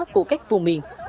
của các vùng miền